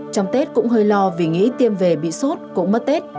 trong tết cũng hơi lo vì nghĩ tiêm về bị sốt cũng mất tết